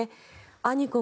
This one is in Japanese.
アニコム